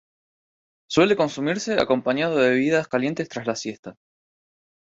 Suele consumirse acompañado de bebidas calientes tras la siesta.